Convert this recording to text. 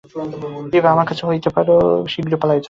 বিভা, আমার কাছ হইতে তোরা শীঘ্র পালাইয়া যা।